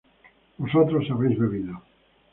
vosotros habíais bebido